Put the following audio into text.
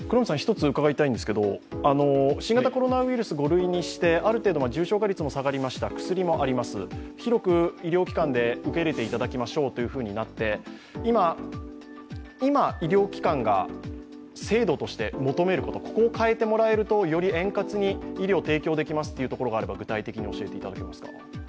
新型コロナウイルス５類にしてある程度、重症化率も下がりました薬もあります、広く医療機関で受け入れていただきましょうというふうになって、今、医療機関が制度として求めることここを変えてもらえるとより円滑に医療提供できますというところがあれば具体的に教えていただけますか。